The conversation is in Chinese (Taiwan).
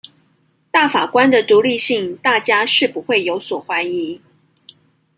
大法官的獨立性大家是不會有所懷疑